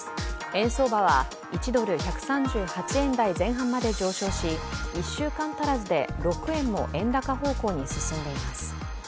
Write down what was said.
円相場は１ドル＝１３８円台前半まで上昇し１週間足らずで６円も円高方向に進んでいます。